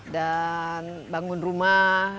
dan bangun rumah